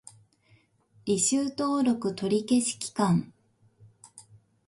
履修登録取り消し期間